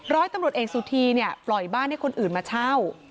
ร้อยตำรวจเอกสุธีเนี่ยปล่อยบ้านให้คนอื่นมาเช่า